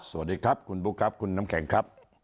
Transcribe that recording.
สวัสดีครับคุณบุ๊คครับคุณน้ำแข็งครับ